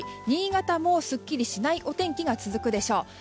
新潟もすっきりしないお天気が続くでしょう。